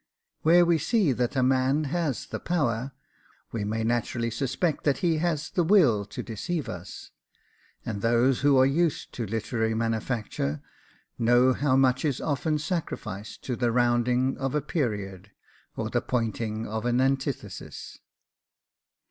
Where we see that a man has the power, we may naturally suspect that he has the will to deceive us; and those who are used to literary manufacture know how much is often sacrificed to the rounding of a period, or the pointing of an antithesis.